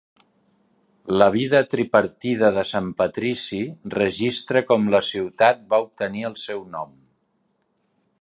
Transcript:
La Vida Tripartida de Sant Patrici registra com la ciutat va obtenir el seu nom.